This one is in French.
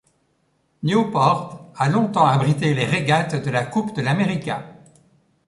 Newport a longtemps abrité les régates de la Coupe de l'America.